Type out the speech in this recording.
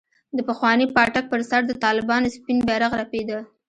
د پخواني پاټک پر سر د طالبانو سپين بيرغ رپېده.